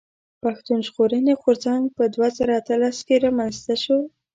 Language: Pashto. پښتون ژغورني غورځنګ په دوه زره اتلس کښي رامنځته شو.